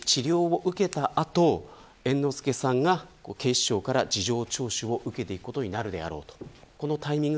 さらに今後入院し、治療を受けた後猿之助さんが警視庁から事情聴取を受けていくことになるであろうと。